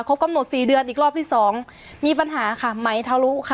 กำหนดสี่เดือนอีกรอบที่สองมีปัญหาค่ะไหมทะลุค่ะ